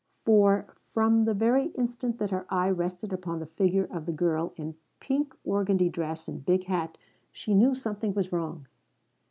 For from the very instant that her eye rested upon the figure of the girl in pink organdie dress and big hat she knew something was wrong.